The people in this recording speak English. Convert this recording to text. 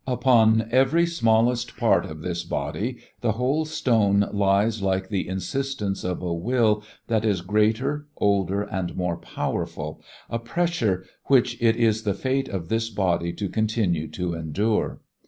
Upon every smallest part of this body the whole stone lies like the insistence of a will that is greater, older and more powerful, a pressure, which it is the fate of this body to continue to endure.